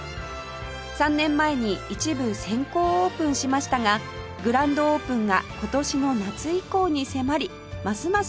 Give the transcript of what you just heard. ３年前に一部先行オープンしましたがグランドオープンが今年の夏以降に迫りますます